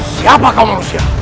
siapa kau manusia